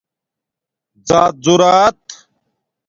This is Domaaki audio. ذآتذݸرات